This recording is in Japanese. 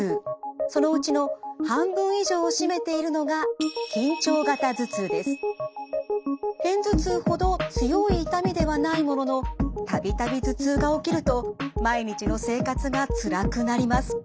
そのうちの半分以上を占めているのが片頭痛ほど強い痛みではないものの度々頭痛が起きると毎日の生活がつらくなります。